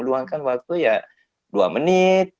luangkan waktu ya dua menit